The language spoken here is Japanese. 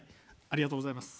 ありがとうございます。